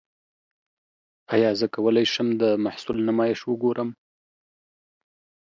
ایا زه کولی شم د محصول نمایش وګورم؟